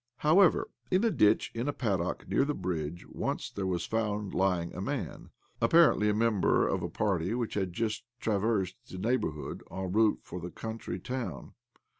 However, in a ditch in a paddock near the bridge once there was found lying a man — apparently a member of a party which had just traversed the neighbourhood en route for the country town.